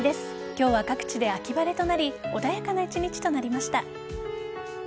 今日は各地で秋晴れとなり穏やかな１日となりました。